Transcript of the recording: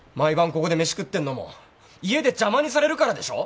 ここで飯食ってんのも家で邪魔にされるからでしょ